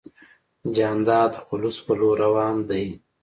جانداد د خلوص په لور روان دی.